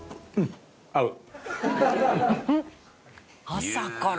「朝から？」